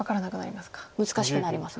難しくなります。